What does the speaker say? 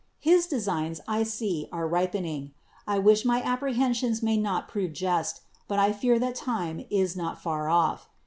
His designs, I see, are ripening. I wish my apprehensions may not prove just; but I fear that time is not far off.